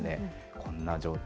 こんな状態。